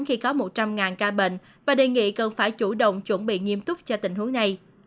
khi có một trăm linh ca bệnh và đề nghị cần phải chủ động chuẩn bị nghiêm túc cho tình huống này